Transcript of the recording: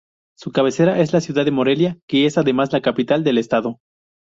Su cabecera es la ciudad de Morelia, que es además la capital del estado.